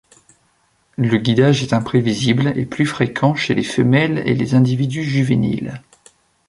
Le guidage est imprévisible et plus fréquent chez les femelles et les individus juvéniles.